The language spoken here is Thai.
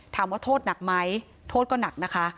ถามว่าโทษหนักไหมโทษก็หนักนะคะ